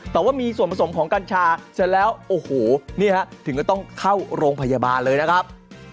แต่ว่ามีส่วนผสมของกัญชาเสร็จแล้วโอ้โหนี่ฮะถึงก็ต้องเข้าโรงพยาบาลเลยนะครับ